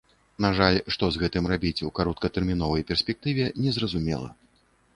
На жаль, што з гэтым рабіць у кароткатэрміновай перспектыве, незразумела.